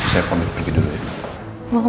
saya pergi dulu ya